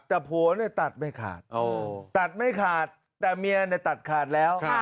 แต่ผัวเนี่ยตัดไม่ขาดตัดไม่ขาดแต่เมียเนี่ยตัดขาดแล้ว